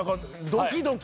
ドキドキ。